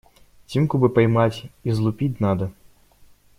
Тимку бы поймать, излупить надо.